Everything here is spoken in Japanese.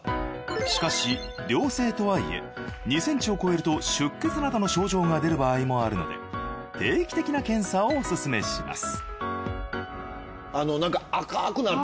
しかし良性とはいえ２ｃｍを超えると出血などの症状が出る場合もあるので定期的な検査をオススメします